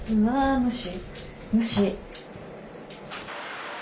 無視？